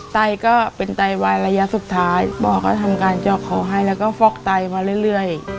ไตก็เป็นไตวายระยะสุดท้ายหมอก็ทำการเจาะคอให้แล้วก็ฟอกไตมาเรื่อย